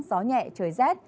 gió nhẹ trời rét